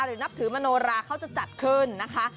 นับถือมโนราเขาจะจัดขึ้นนะคะ